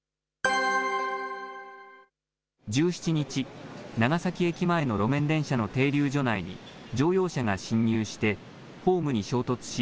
１７日、長崎駅前の路面電車の停留所内に乗用車が進入して、ホームに衝突し、